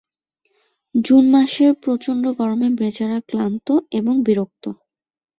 June মাসের প্রচণ্ড গরমে বেচারা ক্লান্ত ও বিরক্ত।